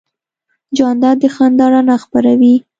جانداد د خندا رڼا خپروي.